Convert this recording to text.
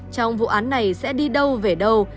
trong vụ án này sẽ đi đâu về đâu